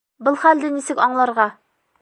Был хәлде нисек аңларға?